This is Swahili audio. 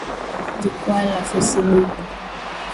Jukwaa la fesibuku